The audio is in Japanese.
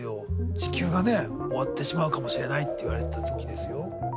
地球がね終わってしまうかもしれないって言われてた時ですよ。